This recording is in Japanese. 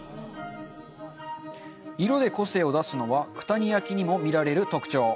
色で個性を出すのは、九谷焼にも見られる特徴。